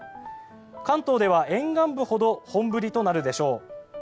関東では沿岸部ほど本降りとなるでしょう。